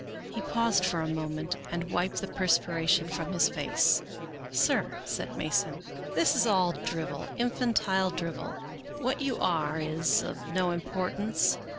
He paused for a moment and wiped the perspiration from his face, " Sir," said Mason, " this is all drivel, infantile drivel. What you are is of no importance.